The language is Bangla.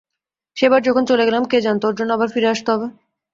সেবার যখন চলে গেলাম, কে জানত ওর জন্যে আবার ফিরে আসতে হবে!